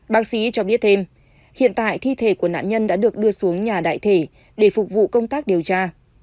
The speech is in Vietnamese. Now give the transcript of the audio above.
bác sĩ cho biết thêm hiện tại thi thể của nạn nhân đã được đưa xuống nhà đại thể để phục vụ công tác điều tra